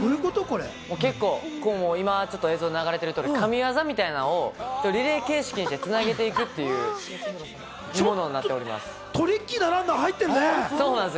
今映像で流れてる通り、神業みたいなのをリレー形式でつなげていくっていうものになっております。